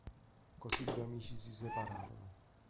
Così i due amici si separarono.